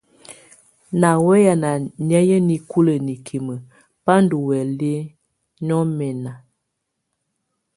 Nà wɛ̀yɛ̀á nà nɛ̀áyɛ̀á nikulǝ́ nikimǝ́ bá ndù huɛ̀lɛ nyɔ̀nɛ̀na.